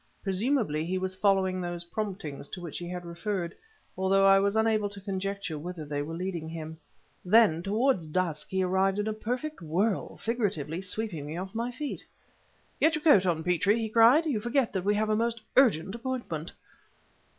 Presumably he was following those "promptings" to which he had referred, though I was unable to conjecture whither they were leading him. Then, towards dusk he arrived in a perfect whirl, figuratively sweeping me off my feet. "Get your coat on, Petrie!" he cried; "you forget that we have a most urgent appointment!"